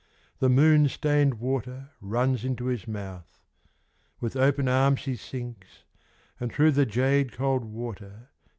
The moon tamed water runs into ins mouth. With open at ms in sii And through the jade cold v. diadem.